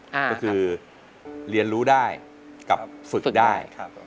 ก็คือเรียนรู้ได้กับฝึกได้